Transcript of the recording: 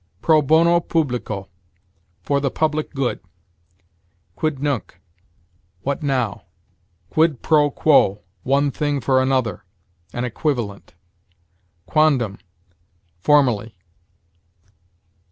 Pro bono publico: for the public good. Quid nunc: what now? Quid pro quo: one thing for another; an equivalent. Quondam: formerly.